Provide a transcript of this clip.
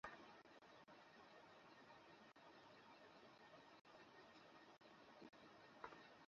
মায়ের কসম আমি কাউকে বলবো না!